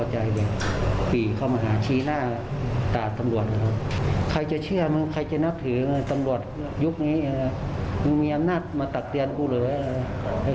หรือตำรวจยุคนี้มีอำนาจมาตักเตียนกูหรือยัง